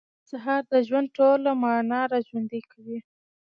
سهار د ژوند ټوله معنا راژوندۍ کوي.